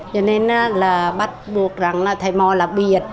cho nên là bắt buộc rằng là thầy mò là biệt